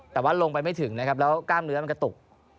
แต่ว่าลงไปไม่ถึงนะครับแล้วกล้ามเนื้อมันกระตุก